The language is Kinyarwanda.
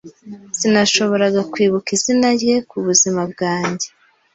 Sinashoboraga kwibuka izina rye kubuzima bwanjye.